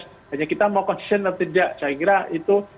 hanya kita mau konsisten atau tidak saya kira itu